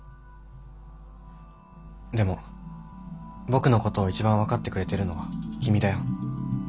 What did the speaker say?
でも僕のことを一番分かってくれてるのは君だよ。